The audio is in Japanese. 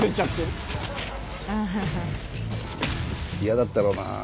嫌だったろうなあ。